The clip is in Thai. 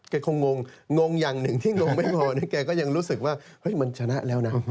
คงงงอย่างหนึ่งที่งงไม่งอเนี่ยแกก็ยังรู้สึกว่าเฮ้ยมันชนะแล้วนะ